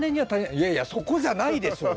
いやいやそこじゃないでしょう！